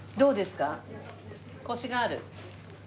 コシがある？